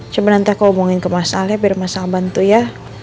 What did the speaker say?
coba nanti aku hubungin ke mas ale biar mas al bantu ya